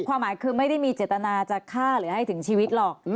ความหมายคือไม่ได้มีเจตนาจะฆ่าหรือให้ถึงชีวิตหรอก